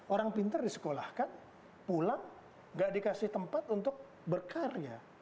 orang pintar disekolahkan pulang gak dikasih tempat untuk berkarya